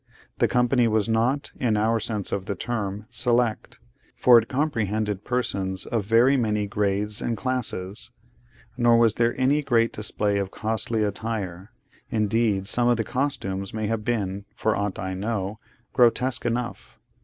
The company was not, in our sense of the term, select, for it comprehended persons of very many grades and classes; nor was there any great display of costly attire: indeed, some of the costumes may have been, for aught I know, grotesque enough.